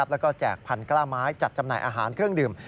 แล้วก็แจกพันกล้าไม้จัดจำหน่ายอาหารเครื่องดื่ม